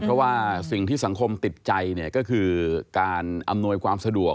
เพราะว่าสิ่งที่สังคมติดใจเนี่ยก็คือการอำนวยความสะดวก